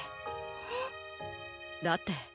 えっ？だって。